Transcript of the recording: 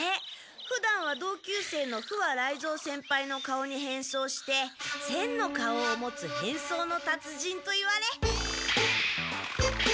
ふだんは同級生の不破雷蔵先輩の顔に変装して千の顔を持つ変装のたつ人といわれ。